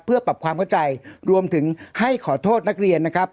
เพื่อปรับความเข้าใจรวมถึงให้ขอโทษนักเรียนนะครับ